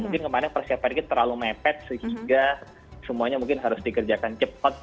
mungkin kemarin persiapan kita terlalu mepet sehingga semuanya mungkin harus dikerjakan cepat